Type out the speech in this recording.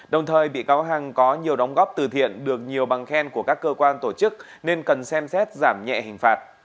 đồng thời bị cáo hằng có nhiều đóng góp từ thiện được nhiều bằng khen của các cơ quan tổ chức nên cần xem xét giảm nhẹ hình phạt